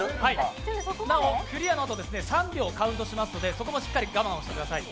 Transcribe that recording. なお、クリアのあと３秒カウントしますので、そこもしっかり我慢してください。